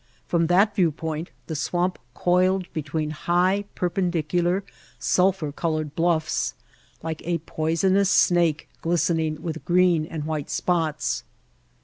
From that viewpoint the swamp coiled between high, perpendicular, sul phur colored bluffs like a poisonous snake glis tening with green and white spots.